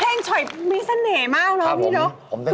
เพลงชอยมีเสน่ห์มากเนอะพี่นก